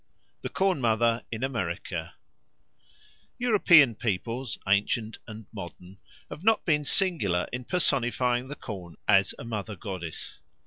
The Corn mother in America EUROPEAN peoples, ancient and modern, have not been singular in personifying the corn as a mother goddess.